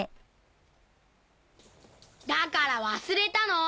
だから忘れたの！